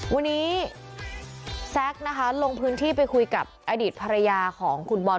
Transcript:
วันนี้แซคนะคะลงพื้นที่ไปคุยกับอดีตภรรยาของคุณบอล